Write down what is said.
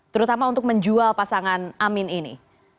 terutama untuk menjual pasangan amin ini